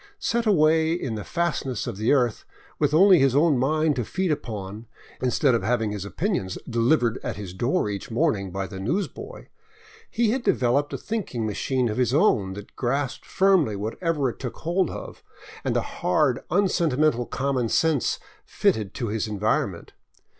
Set away in the fastnesses of the earth, with only his own mind to feed upon, instead of having his opinions delivered at his door each morning by the newsboy, he had developed a thinking^machine of his own that grasped firmly whatever it took hold of, and a hard, unsentimental common sense fitted to his environment.